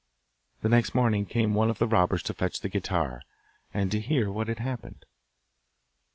The next morning came one of the robbers to fetch the guitar, and to hear what had happened.